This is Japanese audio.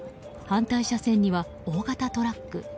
反対車線には、大型トラック。